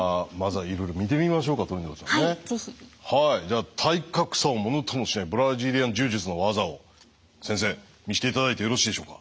はいでは体格差をものともしないブラジリアン柔術の技を先生見せて頂いてよろしいでしょうか。